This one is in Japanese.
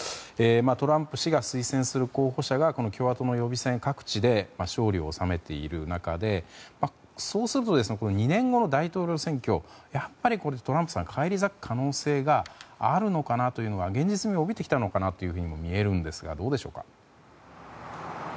トランプ氏が推薦する候補者が共和党の予備選各地で勝利を収めている中でそうすると、２年後の大統領選挙やっぱりトランプさん返り咲く可能性があるのかなとういのが現実味を帯びてきたのかなというふうにも見えるんですがどうでしょうか。